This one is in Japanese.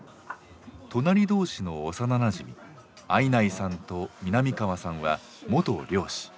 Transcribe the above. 隣同士の幼なじみ相内さんと南川さんは元漁師。